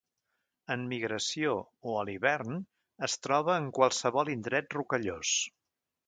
En migració o a l'hivern es troba en qualsevol indret rocallós.